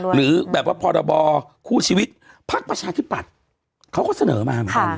หรือแบบว่าพรบคู่ชีวิตพักประชาธิปัตย์เขาก็เสนอมาเหมือนกัน